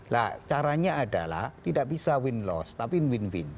nah caranya adalah tidak bisa win loss tapi win win